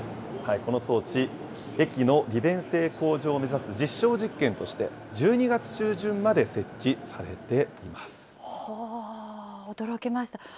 この装置、駅の利便性向上を目指す実証実験として、１２月中驚きました。